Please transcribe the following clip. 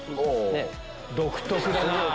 独特だなぁ。